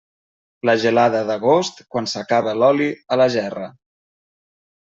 La gelada d'agost, quan s'acaba l'oli a la gerra.